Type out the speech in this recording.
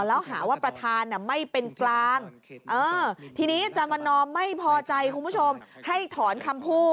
แล้วหาว่าประธานไม่เป็นกลาง